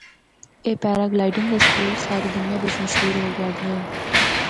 اے پیراگلائیڈنگ دا سکول ساری دنیا بچ مشہور ہو گیا دا ہے۔